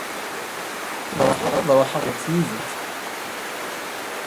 Bɣiɣ ad ṛuḥeɣ ɣer tmugert yid-k.